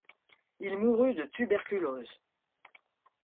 Il mourut de tuberculose.